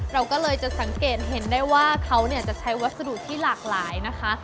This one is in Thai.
เราก็เลยจะสังเกตเห็นได้ว่าเขาจะใช้วัสดุที่หลากหลายนะคะ